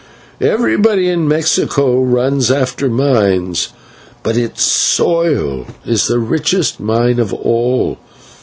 Everybody in Mexico runs after mines, but its soil is the richest mine of all.